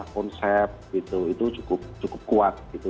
konsep gitu itu cukup kuat gitu